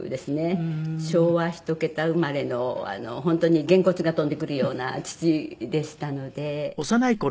昭和一桁生まれの本当にげんこつが飛んでくるような父でしたので。